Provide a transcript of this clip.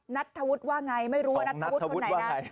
นัทธวุฒิว่าไงไม่รู้ว่านัทธวุฒิคนไหนนะ